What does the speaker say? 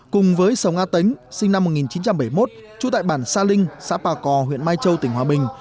cùng với sông a tính sinh năm một nghìn chín trăm bảy mươi một trú tại bản sa linh xã pà cò huyện mai châu tỉnh hòa bình